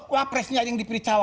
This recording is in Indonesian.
wah presnya yang dipilih cawa